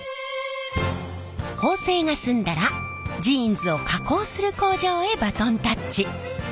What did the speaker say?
縫製が済んだらジーンズを加工する工場へバトンタッチ。